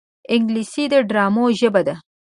انګلیسي د ډرامو ژبه ده